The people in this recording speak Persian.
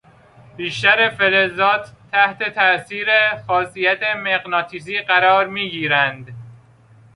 بیشتر فلزات تحت تاثیر خاصیت مغناطیسی قرار میگیرند.